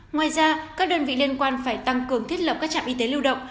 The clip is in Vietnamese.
ngoài ra các đơn vị liên quan phải tăng cường thiết lập các trạm y tế lưu động